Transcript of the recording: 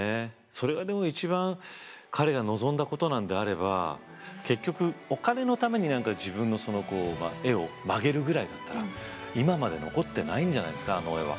それはでも一番彼が望んだことなのであれば結局お金のために何か自分の絵を曲げるぐらいだったら今まで残ってないんじゃないんですかあの絵は。